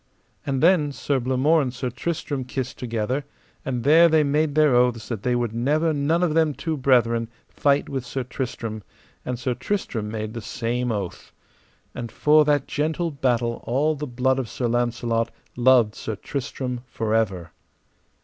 And then Sir Blamore and Sir Tristram kissed together, and there they made their oaths that they would never none of them two brethren fight with Sir Tristram, and Sir Tristram made the same oath. And for that gentle battle all the blood of Sir Launcelot loved Sir Tristram for ever.